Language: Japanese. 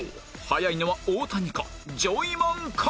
早いのは大谷か？